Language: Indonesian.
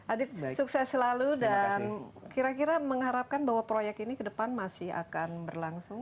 adit sukses selalu dan kira kira mengharapkan bahwa proyek ini ke depan masih akan berlangsung